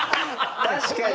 確かに！